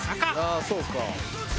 「ああそうか」